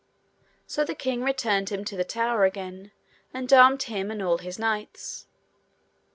So the king returned him to the tower again and armed him and all his knights.